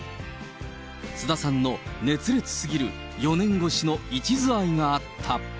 菅田さんの熱烈すぎる４年越しの一途愛があった。